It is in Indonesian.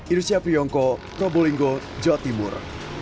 irsya priyongko probolinggo jawa timur